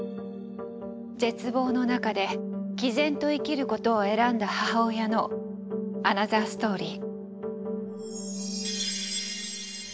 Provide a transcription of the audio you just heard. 絶望の中で毅然と生きることを選んだ母親のアナザーストーリー。